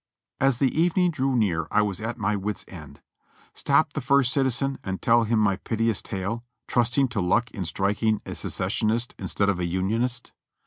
As the evening drew near I was at my wit's end. Stop the first citizen and tell him a piteous tale, trusting to luck in strik ing a Secessionist instead of a Unionist?